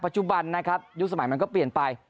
จุบันนะครับยุคสมัยมันก็เปลี่ยนไป